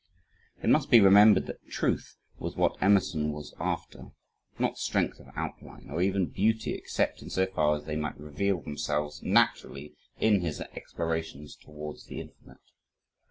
It must be remembered that "truth" was what Emerson was after not strength of outline, or even beauty except in so far as they might reveal themselves, naturally, in his explorations towards the infinite.